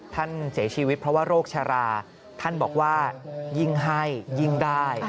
ท่านเสียชีวิตเพราะว่าโรคชะลาท่านบอกว่ายิ่งให้ยิ่งได้